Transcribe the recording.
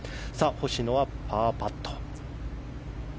星野はパーパット。